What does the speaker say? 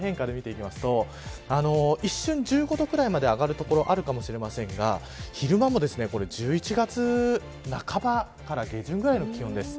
気温の変化で見ていきますと一瞬１５度ぐらいまで上がる所があるかもしれませんが昼間も１１月半ばから下旬ぐらいの気温です。